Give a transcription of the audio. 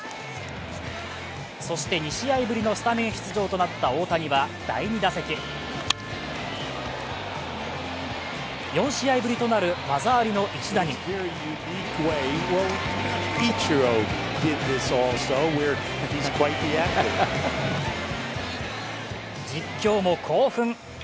そして２試合ぶりのスタメン出場となった大谷は第２打席、４試合いぶりとなる技ありの一打に実況も興奮。